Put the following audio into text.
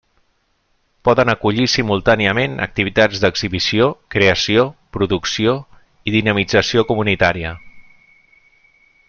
Poden acollir simultàniament activitats d'exhibició, creació, producció i dinamització comunitària.